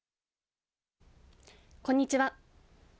こんにちは。